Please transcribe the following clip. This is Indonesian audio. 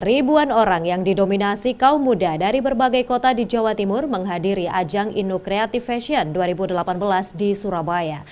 ribuan orang yang didominasi kaum muda dari berbagai kota di jawa timur menghadiri ajang indo creative fashion dua ribu delapan belas di surabaya